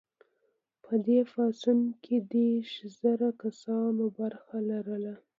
په دې پاڅون کې دیرش زره کسانو برخه لرله.